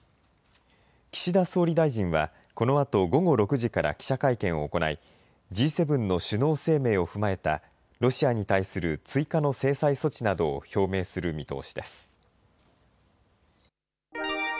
岸田総理大臣は、このあと午後６時から記者会見を行い、Ｇ７の首脳声明を踏まえたロシアに対する追加の制裁措置などを表明する見通しです。